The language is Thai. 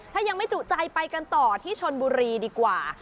ถ้ายังไม่จุใจไปกันต่อที่ชนบุรีดีกว่า